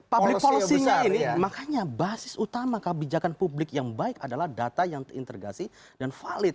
jadi public policy nya ini makanya basis utama kebijakan publik yang baik adalah data yang terintegrasi dan valid